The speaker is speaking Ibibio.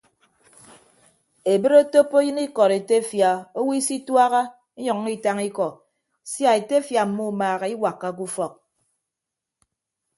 Ebre otoppo eyịn ikọd etefia owo isituaha inyʌññọ itañ ikọ sia etefia mmumaaha iwakkake ufọk.